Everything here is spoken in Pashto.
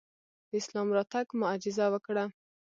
د اسلام راتګ معجزه وکړه.